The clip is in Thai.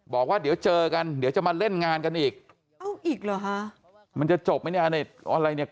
บอกว่าเดี๋ยวเจอกันเดี๋ยวจะมาเล่นงานกันอีกอ้าวอีกเหรอค่ะมันจะจบไหมเนี่ย